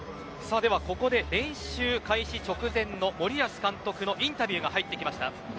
ではここで、練習開始直前の森保監督のインタビューが入ってきました。